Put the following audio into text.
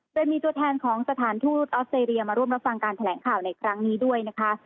โดยมีตัวแทนของสถานทูตออสเตรเลียมาร่วมรับฟังการแถลงข่าวในครั้งนี้ด้วยนะคะ